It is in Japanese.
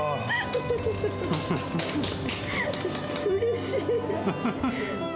うれしい。